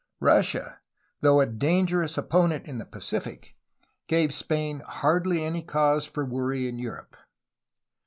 Russia, though a dangerous opponent in the Pacific, gave Spain hardly any cause for worry in Europe.